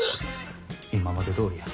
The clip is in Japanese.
今までどおりや。